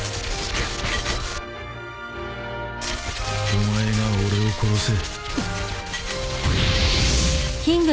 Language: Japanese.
お前が俺を殺せ。